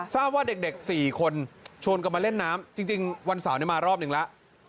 ทราบว่าเด็ก๔คนชวนกันมาเล่นน้ำจริงวันเสาร์นี้มารอบหนึ่งแล้ว